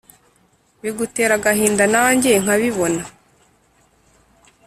bigutera agahinda nanjye nkabibona